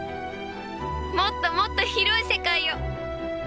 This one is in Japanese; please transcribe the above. もっともっと広い世界を。